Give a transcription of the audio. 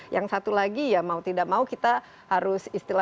yang satu lagi ya mau tidak mau kita harus istilahnya